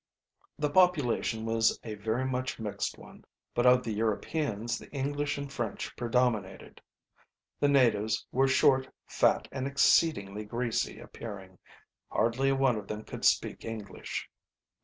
The population was a very much mixed one, but of the Europeans the English and French predominated. The natives were short, fat, and exceedingly greasy appearing. Hardly a one of them could speak English.